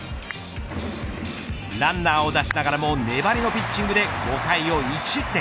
ランナーを出しながらも粘りのピッチングで５回を１失点。